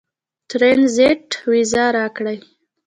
ټرنزیټ وېزه راکړي.